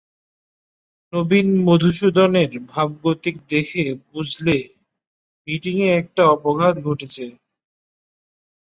নবীন মধুসূদনের ভাবগতিক দেখে বুঝলে মীটিঙে একটা অপঘাত ঘটেছে।